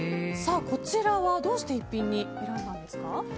こちらはどうして逸品に選ばれたんですか？